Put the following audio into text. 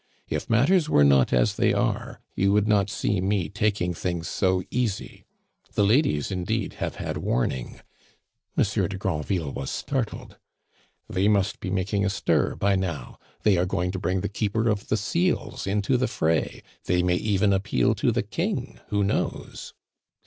If matters were not as they are, you would not see me taking things so easy. The ladies indeed have had warning." Monsieur de Granville was startled. "They must be making a stir by now; they are going to bring the Keeper of the Seals into the fray they may even appeal to the King, who knows?